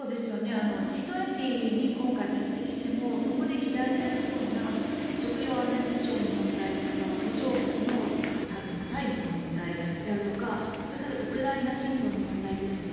Ｇ２０に今回、出席してもそこで議題になりそうな食料安全保障の問題とか途上国の債務の問題であるとかそれからウクライナ侵攻の問題ですよね。